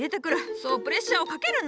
そうプレッシャーをかけるな。